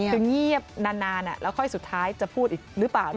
คือเงียบนานแล้วค่อยสุดท้ายจะพูดอีกหรือเปล่า